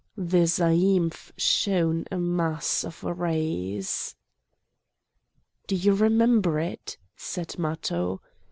The zaïmph shone a mass of rays. "Do you remember it?" said Matho.